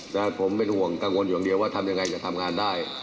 และผมเป็นห่วงกังวลอย่างเดียวว่าทำยังไงจะทำงานได้